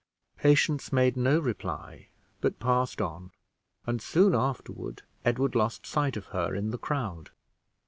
Patience made no reply, but passed on; and, soon afterward, Edward lost sight of her in the crowd.